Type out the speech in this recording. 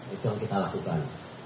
itu yang kita lakukan